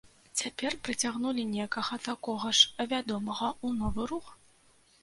Цяпер прыцягнулі некага такога ж вядомага ў новы рух?